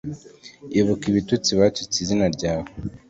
ibuka ibitutsi batutse izina ryawe